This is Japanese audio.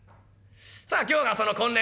さあ今日がその婚礼の日。